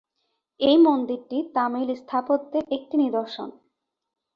এই মন্দিরটি তামিল স্থাপত্যের একটি নিদর্শন।